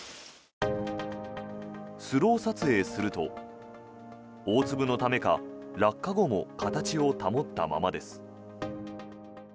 スロー撮影すると、大粒のためか落下後も形を保ったままです。